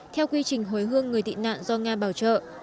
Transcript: theo quy trình hồi hương người tị nạn do nga bảo trợ